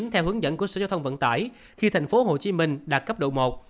theo hướng dẫn của sở giao thông vận tải khi tp hcm đạt cấp độ một